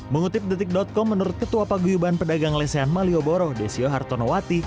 mengutip detik com menurut ketua paguyuban pedagang lesehan malioboro desio hartonowati